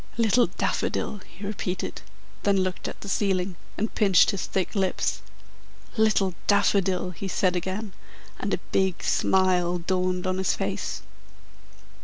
"Little Daffodil!" he repeated, then looked at the ceiling and pinched his thick lips. "Little Daffodil!" he said again, and a big smile dawned on his face.